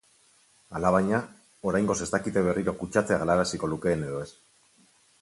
Alabaina, oraingoz ez dakite berriro kutsatzea galaraziko lukeen edo ez.